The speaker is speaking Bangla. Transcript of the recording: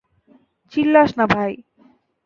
চিল্লাস না ভাই।